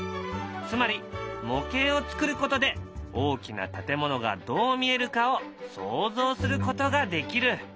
つまり模型を作ることで大きな建物がどう見えるかを想像することができる。